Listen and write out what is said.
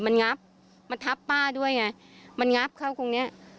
มันงับมันทับป้าด้วยไงมันงับเข้าตรงเนี้ย